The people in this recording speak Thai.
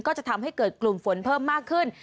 ก็จะทำให้เกิดกลุ่มฝนเพิ่มมากขึ้น